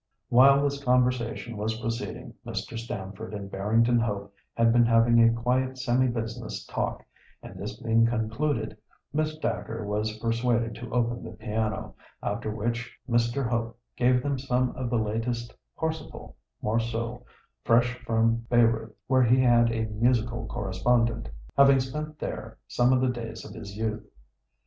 While this conversation was proceeding, Mr. Stamford and Barrington Hope had been having a quiet semi business talk, and this being concluded, Miss Dacre was persuaded to open the piano, after which Mr. Hope gave them some of the latest Parsifal morceaux fresh from Bayreuth, where he had a musical correspondent, having spent there some of the days of his youth.